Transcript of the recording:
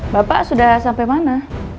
bapak sudah sampai mana